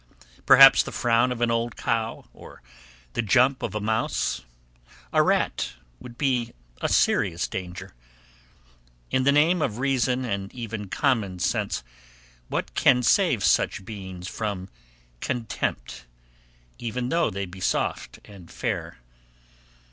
Perhaps the frown of an old cow, or the jump of a mouse; a rat, would be a serious danger. In the name of reason, and even common sense, what can save such beings from contempt; even though they be soft and fair?